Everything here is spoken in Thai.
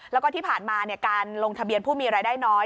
แล้วก็ที่ผ่านมาการลงทะเบียนผู้มีรายได้น้อย